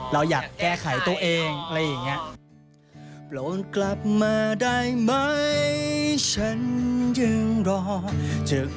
เราอยากแก้ไขตัวเองอะไรอย่างนี้